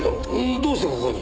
どうしてここに？